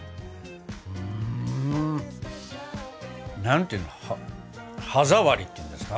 何ていうの歯触りっていうんですか？